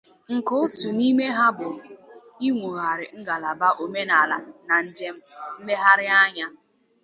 nke otu n'ime ha bụ inwògharị ngalaba omenala na njem nlegharịanya.